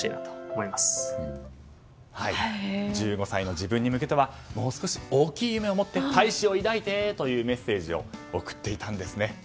１５歳の自分に向けてはもう少し大きい夢を持って大志を抱いてというメッセージを送っていたんですね。